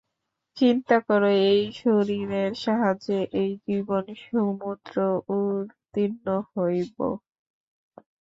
চিন্তা কর, এই শরীরের সাহায্যে এই জীবন-সমুদ্র উত্তীর্ণ হইব।